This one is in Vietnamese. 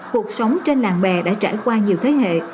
cuộc sống trên làng bè đã trải qua nhiều thế hệ